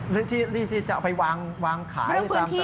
หรือที่จะไปวางขายตามสถานที่